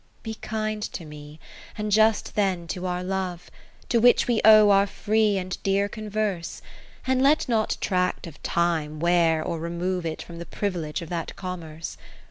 Kath ertite Philips XIX Be kind to me, and just then to our love, To which we owe our free and dear converse ; And let not tract of Time wear or remove It from the privilege of that commerce.